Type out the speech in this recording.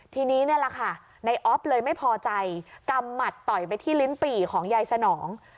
ทีนี้นี่แหละค่ะในออฟเลยไม่พอใจกำหมัดต่อยไปที่ลิ้นปี่ของยายสนอง